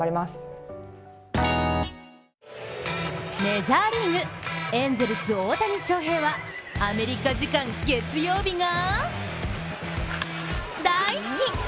メジャーリーグ、エンゼルス・大谷翔平はアメリカ時間月曜日が大好き！